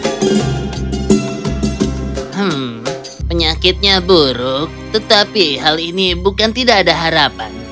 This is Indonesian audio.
hmm penyakitnya buruk tetapi hal ini bukan tidak ada harapan